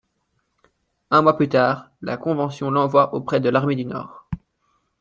Un mois plus tard la Convention l'envoie auprès de l'armée du Nord.